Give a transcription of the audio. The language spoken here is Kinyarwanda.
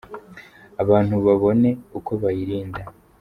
abantu babone uko bayirinda.